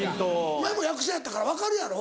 お前も役者やったから分かるやろ。